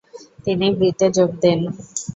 তিনি ব্রিতে যোগ দেন।